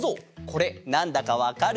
これなんだかわかる？